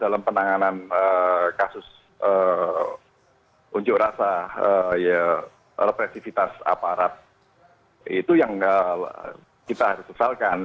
dalam penanganan kasus unjuk rasa represifitas aparat itu yang kita harus kesalkan